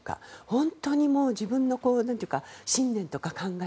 本当に自分の信念とか考え